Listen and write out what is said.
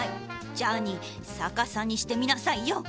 ジャーニーさかさにしてみなさいよ。